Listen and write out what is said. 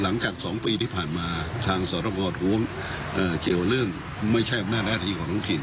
หลังจาก๒ปีที่ผ่านมาทางสตท้วงเกี่ยวเรื่องไม่ใช่อำนาจหน้าที่ของท้องถิ่น